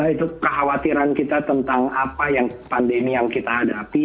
itu kekhawatiran kita tentang apa yang pandemi yang kita hadapi